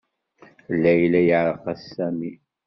Layla yeɛreq-as Sami.